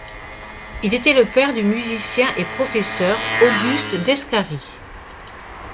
Il était le père du musicien et professeur Auguste Descarries.